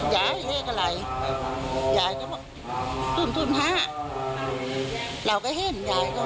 ข้างไปเอากลับมาห่วยให้เลย